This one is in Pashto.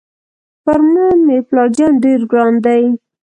پر ما مې پلار جان ډېر ګران دی.